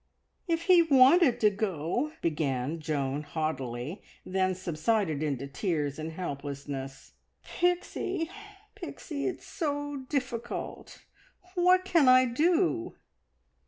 "If he wanted to go," began Joan haughtily, then subsided into tears and helplessness. "Pixie! Pixie! It's so difficult! What can I do?"